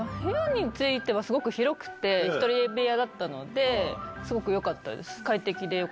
部屋についてはすごく広くて、１人部屋だったので、すごくよかったです。